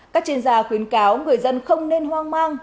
các chuyên gia khuyến cáo người dân không nên hoang mang